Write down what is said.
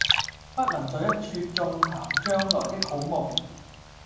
不能在一處縱談將來的好夢了，